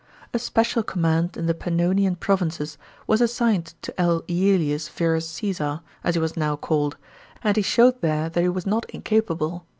A special command in the Pannonian provinces was assigned to L. ./Elius Verus Caesar, as he was now called, and he showed there that he was not incapable.